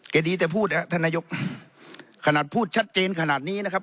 ดีแต่พูดนะครับท่านนายกขนาดพูดชัดเจนขนาดนี้นะครับ